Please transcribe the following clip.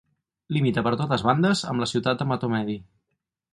Limita per totes bandes amb la ciutat de Mahtomedi.